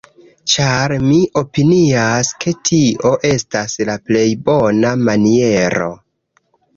ĉar mi opinias, ke tio estas la plej bona maniero